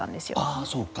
ああそうか。